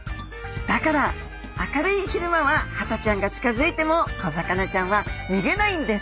だから明るい昼間はハタちゃんが近づいても小魚ちゃんは逃げないんです。